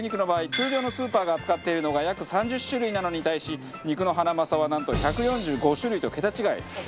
通常のスーパーが扱っているのが約３０種類なのに対し肉のハナマサはなんと１４５種類と桁違い。